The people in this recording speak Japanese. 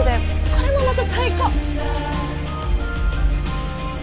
それもまた最高っ